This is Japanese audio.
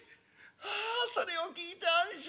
ああそれを聞いて安心した。